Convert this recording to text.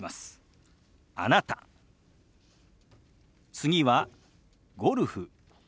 次は「ゴルフ」。